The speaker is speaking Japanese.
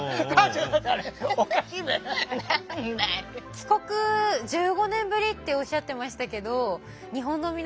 帰国１５年ぶりっておっしゃってましたけどいやそれがね